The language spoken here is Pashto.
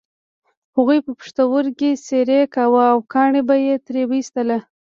هغوی به پښتورګی څیرې کاوه او کاڼي به یې ترې ویستل.